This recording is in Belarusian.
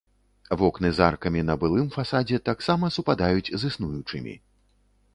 Вокны з аркамі на былым фасадзе таксама супадаюць з існуючымі.